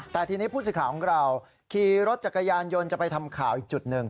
แต่ทีนี้ผู้สื่อข่าวของเราขี่รถจักรยานยนต์จะไปทำข่าวอีกจุดหนึ่ง